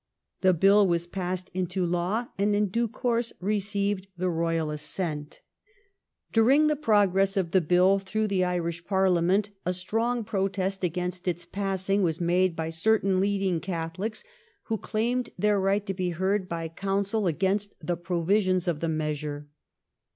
The Bill was passed into law, and in due course received the Eoyal assent. During the progress of the Bill through the Irish Parliament a strong protest against its passing was made by certain leading Catholics who claimed their right to be heard by counsel against the provisions of the measure.